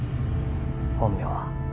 本名は